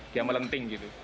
dia melenting gitu